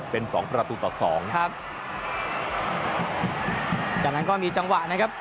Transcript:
เป็นสองประตูต่อสองครับจากนั้นก็มีจังหวะนะครับ